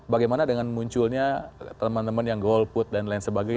bagaimana dengan munculnya teman teman yang golput dan lain sebagainya